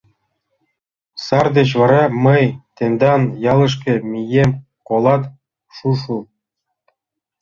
Сар деч вара мый тендан ялышке мием, колат, Шушу?